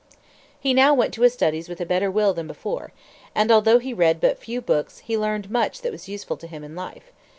He now went to his studies with a better will than before; and although he read but few books he learned much that was useful to him in life.